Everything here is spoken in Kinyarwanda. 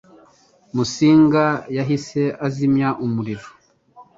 Musinga yahise azimya umuriro.